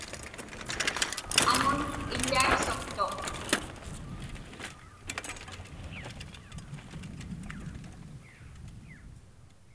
Aŋun iḷḷiaqsuqtuq.